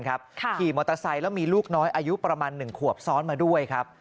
ขี่มอเตอร์ไซค์แล้วมีลูกน้อยอายุประมาณ๑ขวบซ้อนมาด้วยครับ